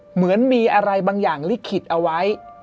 เหมือนมีอะไรบางอย่างลิขิตเอาไว้